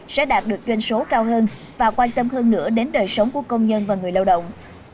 sẽ đạt được doanh số cao hơn và quan tâm hơn nữa đến đời sống của công nhân và người lao động